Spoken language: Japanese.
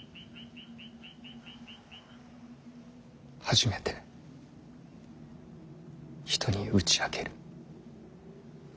初めて人に打ち明ける。